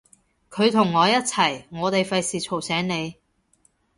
佢同我一齊，我哋費事嘈醒你